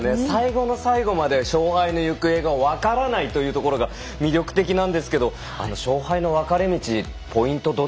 最後の最後まで勝敗の行方が分からないというところが魅力的なんですけれど勝敗の分かれ道、ポイント